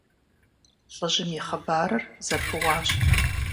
ЛӀыжьым и хъыбарыр зэпыуащ.